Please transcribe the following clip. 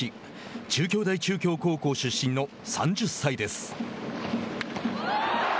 中京大中京高校出身の３０歳です。